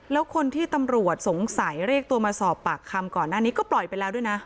แล้วคนที่ตำรวจสงสัยเรียกตัวมาสอบปากคำก่อนหน้านี้ก็ปล่อยไปแล้วด้วยนะ